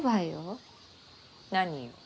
何よ？